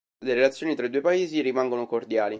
Le relazioni tra i due paesi rimangono cordiali.